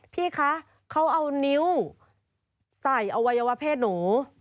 พี่คะเขาเอานิ้วใส่อวัยวะเพศหนู